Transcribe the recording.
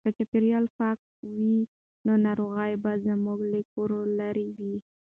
که چاپیریال پاک وي نو ناروغۍ به زموږ له کوره لیري وي.